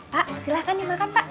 pak silahkan nih makan pak